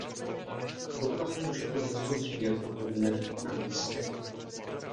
Poplach může koneckonců jednoho dne být namístě.